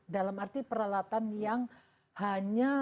dalam arti peralatan yang hanya